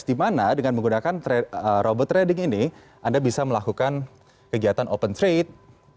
di mana dengan menggunakan robot trading ini anda bisa melakukan kegiatan open trade